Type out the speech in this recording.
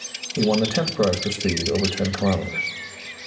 (He won the tenth prize for speed over 10 kilometres.)